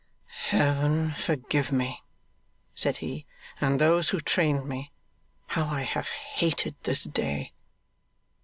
'Heaven forgive me,' said he, 'and those who trained me. How I have hated this day!